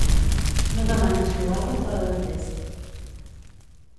No demanis llobarro fora de test.